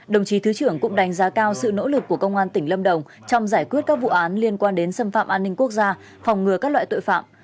đồng chí thứ trưởng cũng đánh giá cao sự nỗ lực của công an tỉnh lâm đồng trong giải quyết các vụ án liên quan đến xâm phạm an ninh quốc gia phòng ngừa các loại tội phạm